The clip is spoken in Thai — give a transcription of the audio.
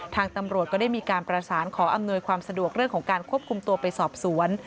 ทางตำรวจก็ได้มีการประสานขออำนวยความสะดวกเรื่องของการควบคุมตัวไปสอบสวน